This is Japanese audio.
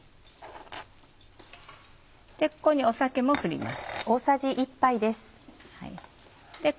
ここに酒も振ります。